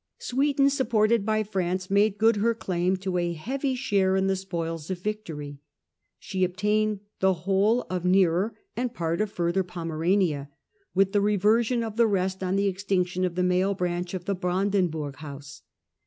Sweden, supported by France, made good her claim to a heavy share in the spoils of victory. She obtained the whole of nearer and part of further Pomerania, with the reversion of the rest on the extinction of the male branch of the Brandenburg house.